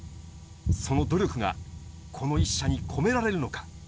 その努力がこの一射に込められるのか。